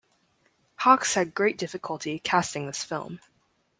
Hawks had great difficulty casting this film.